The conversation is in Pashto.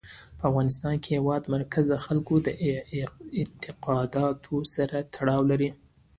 په افغانستان کې د هېواد مرکز د خلکو د اعتقاداتو سره تړاو لري.